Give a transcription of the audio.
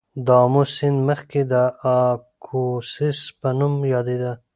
د آمو سیند مخکې د آکوسس په نوم یادیده.